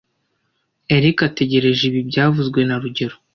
Eric ategereje ibi byavuzwe na rugero